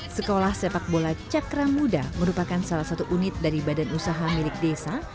sekolah sepak bola cakra muda merupakan salah satu unit dari badan usaha milik desa